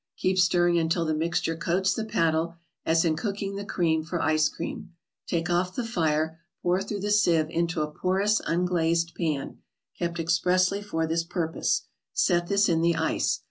Keep stirring until the mixture coats the paddle (as in cooking the cream for ice cream). Take off the fire, pour through the sieve into a porous unglazed pan, kept expressly for this purpose. Set this in the ice.